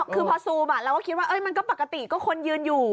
คือพอซูมเราก็คิดว่ามันก็ปกติก็คนยืนอยู่